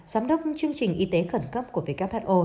giám đốc chương trình y tế khẩn cấp của who